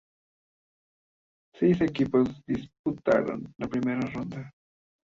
Seis equipos disputaron la primera ronda.